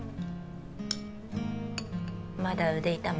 まだ腕痛む？